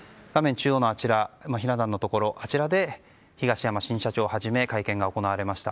中央のひな壇のところで東山新社長をはじめ会見が行われました。